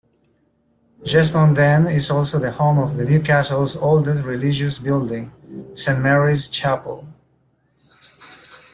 Jesmond Dene is also the home of Newcastle's oldest religious building, Saint Mary's Chapel.